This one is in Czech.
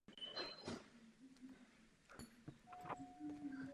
Zůstane však pouhou deklarací záměru, jestliže ho nepodpoříme účinnými opatřeními.